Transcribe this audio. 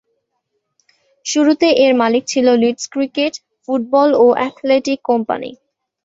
শুরুতে এর মালিক ছিল লিডস ক্রিকেট, ফুটবল ও অ্যাথলেটিক কোম্পানী।